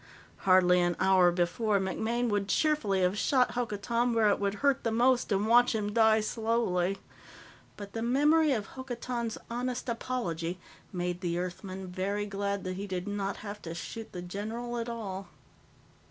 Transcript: Hardly an hour before, MacMaine would cheerfully have shot Hokotan where it would hurt the most and watch him die slowly. But the memory of Hokotan's honest apology made the Earthman very glad that he did not have to shoot the general at all.